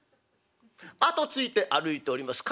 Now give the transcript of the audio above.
あとついて歩いております